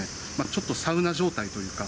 ちょっとサウナ状態というか。